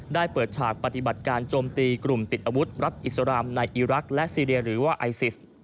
เปิดฉากปฏิบัติการโจมตีกลุ่มติดอาวุธรัฐอิสรามในอีรักษ์และซีเรียหรือว่าไอซิส